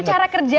itu cara kerjanya